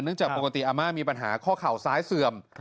จากปกติอาม่ามีปัญหาข้อเข่าซ้ายเสื่อม